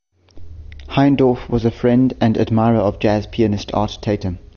Heindorf was a friend and admirer of jazz pianist Art Tatum.